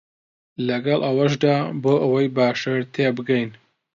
لەگەڵ ئەوەشدا بۆ ئەوەی باشتر تێبگەین